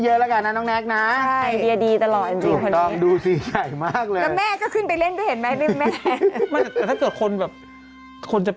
ใหญ่อรันการณ์นะฮะโอ๊สาธุงานเข้าเยอะแล้วกันนะน้องนักน้า